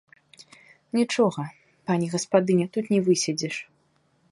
Нічога, пані гаспадыня, тут не выседзіш.